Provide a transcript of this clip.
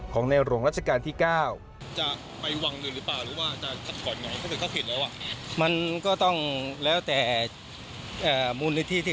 ของในหลวงราชกาลที่๙